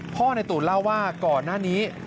ในตูนเล่าว่าก่อนหน้านี้